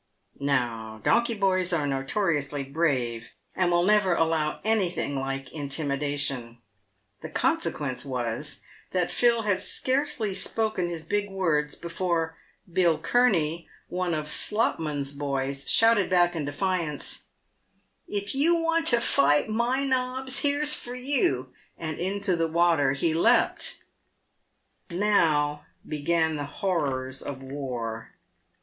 Now donkey boys are notoriously brave, and will never allow anything like intimidation. The consequence was, that Phil had scarcely spoken his big words before Bill Kurney, one of Slopman's boys, shouted back in defiance, " If you want to fight, ' my nobs,' here's for you," and into the water he leapt. Now began the horrors of war.